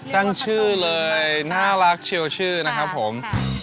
ตั้งชื่อเลยน่ารักเชียวชื่อนะครับผม